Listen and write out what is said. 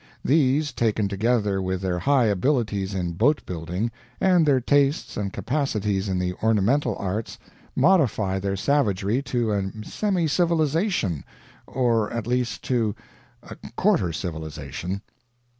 These, taken together with their high abilities in boat building, and their tastes and capacities in the ornamental arts modify their savagery to a semi civilization or at least to, a quarter civilization.